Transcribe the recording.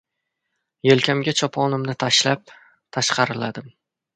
Yelkamga choponimni tashlab, tashqariladim.